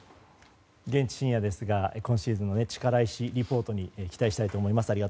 現地は深夜ですが今シーズンは力石リポートに期待したいと思います。